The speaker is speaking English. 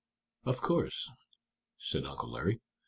"Of course," said Uncle Larry.